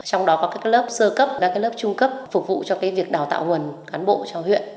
trong đó có các lớp sơ cấp các lớp trung cấp phục vụ cho việc đào tạo nguồn cán bộ cho huyện